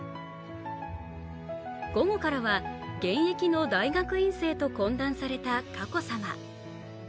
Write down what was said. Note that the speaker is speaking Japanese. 午後からは現役の大学院生と懇談された佳子さま。